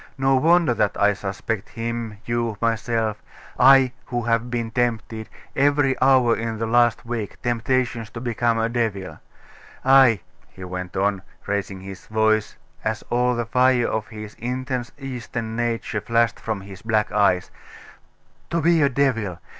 No wonder that I suspect him, you, myself I, who have been tempted, every hour in the last week, temptations to become a devil. Ay,' he went on, raising his voice, as all the fire of his intense Eastern nature flashed from his black eyes, 'to be a devil!